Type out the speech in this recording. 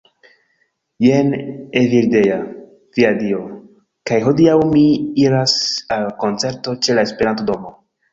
Jen Evildea. Via Dio. kaj hodiaŭ mi iras al koncerto ĉe la Esperanto-domo